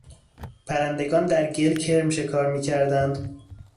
پرندگان در گل کرم شکار میکردند.